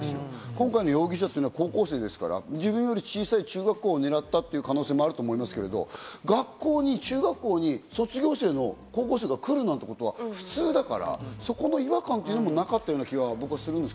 今回の容疑者は高校生ですから、自分より小さい中学校を狙ったということもあると思うんですが、中学校に卒業生の高校生が来るなんてことは普通だから、そこの違和感っていうのもなかった気がするんです。